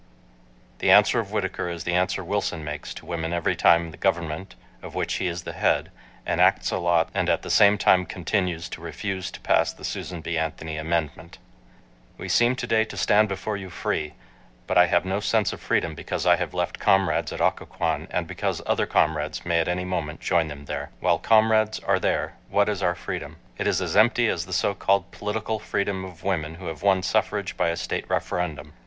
The answer of Whittaker is the answer Wilson makes to women every time the Government, of which he is the head, enacts a law and at the same time continues to refuse to pass the Susan B. Anthony amendment .... We seem to day to stand before you free, but I have no sense of freedom because I have left comrades at Occoquan and because other comrades may at any moment join them there .... While comrades are there what is our freedom? It is as empty as the so called political freedom of women who have won suffrage by a state referendum.